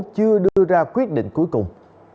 chưa đưa ra quyết định cuối cùng